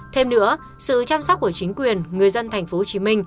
thêm nữa sự chăm sóc của chính quyền người dân tp hcm